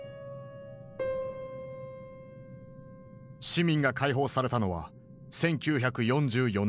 市民が解放されたのは１９４４年１月。